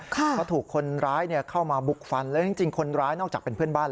เพราะถูกคนร้ายเข้ามาบุกฟันแล้วจริงคนร้ายนอกจากเป็นเพื่อนบ้าน